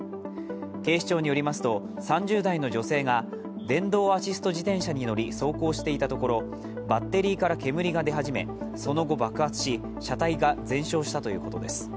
警視庁によりますと、３０代の女性が電動アシスト自転車に乗り、走行していたところバッテリーから煙が出始めその後、爆発し車体が全焼したということです。